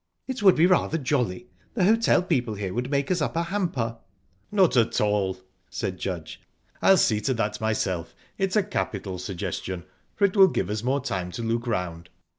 It would be rather jolly. The hotel people here would make us up a hamper." "Not at all," said Judge. "I'll see to that myself. It's a capital suggestion, for it will give us more time to look round."